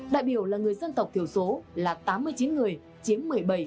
đại biểu là người dân tộc thiểu số là tám mươi chín người chiếm một mươi bảy tám mươi bốn